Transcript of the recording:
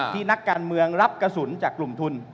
นักการเมืองรับกระสุนจากกลุ่มทุน